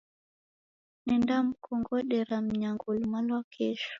Nendamkongodera mnyango luma lwa kesho.